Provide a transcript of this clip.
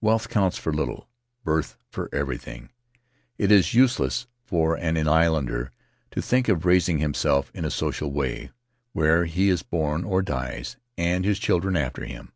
Wealth counts for little, birth for everything; it is useless for an islander to think of raising himself in a social way — where he is born he dies, and his children after him.